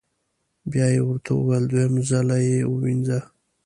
بیا یې ورته وویل: دویم ځل یې ووینځه.